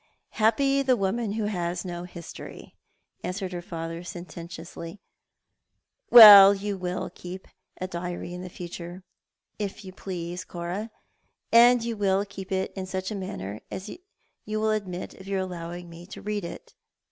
"" llappy the woman who has no history," auowered her father seutentiously. " Well, you will keep a diary in future, if you please, Cora; and you will keep it in such a manner as will admit of your allowing me to read it.